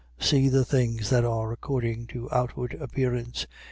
10:7. See the things that are according to outward appearance.